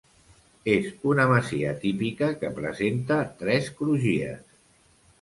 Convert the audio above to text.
És una masia típica que presenta tres crugies.